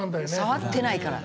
触ってないから。